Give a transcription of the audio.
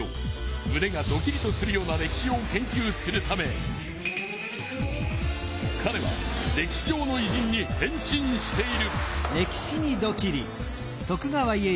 むねがドキリとするような歴史を研究するためかれは歴史上のいじんに変身している。